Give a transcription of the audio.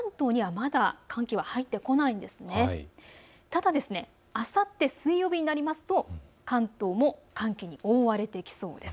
ただ、あさって水曜日になりますと関東も寒気に覆われてきそうです。